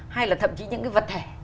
hay là thậm chí những cái vật thể